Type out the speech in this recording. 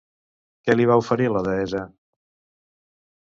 Què li va oferir la deessa?